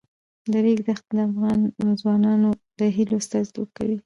د ریګ دښتې د افغان ځوانانو د هیلو استازیتوب کوي.